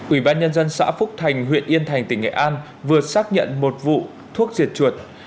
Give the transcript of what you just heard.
ủy ban nhân dân xã phúc thành huyện yên thành tỉnh nghệ an vừa xác nhận một vụ thuốc diệt chuột